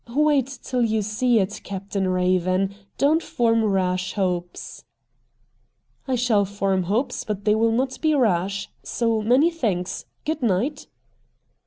' Wait till you see it, Captain Eaven. Don't form rash hopes.' ' I shall form hopes, but they will not be rash. So many thanks. Good night.'